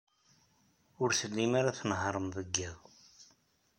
Ur tellim ara tnehhṛem deg yiḍ.